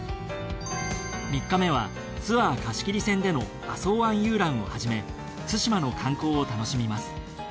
３日目はツアー貸切船での浅茅湾遊覧をはじめ対馬の観光を楽しみます。